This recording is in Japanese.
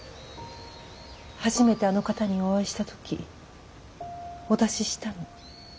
初めてあの方にお会いした時お出ししたの。